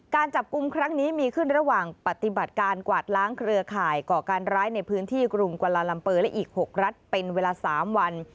การจับกลุ่มครั้งนี้มีขึ้นระหว่างปฏิบัติการกวาดล้างเครือข่ายก่อการร้ายในพื้นที่กรุงกวาลาลัมเปอร์และอีก๖รัฐเป็นเวลา๓วัน